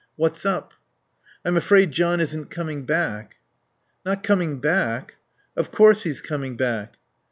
"What's up?" "I'm afraid John isn't coming back." "Not coming back? Of course he's coming back."